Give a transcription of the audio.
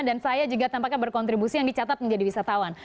dan saya juga tampaknya berkontribusi yang dicatat menjadi wisatawan